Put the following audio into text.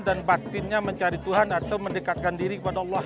dan batinnya mencari tuhan atau mendekatkan diri kepada allah